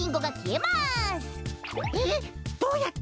えっ？